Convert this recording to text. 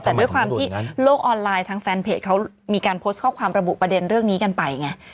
แต่ด้วยความที่โลกออนไลน์ทางแฟนเพจเขามีการโพสต์ข้อความระบุประเด็นเรื่องนี้กันไปไง